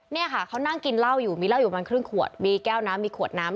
เนี่ยค่ะเขานั่งกินเหล้าอยู่มีเหล้าอยู่ประมาณครึ่งขวดมีแก้วน้ำมีขวดน้ำ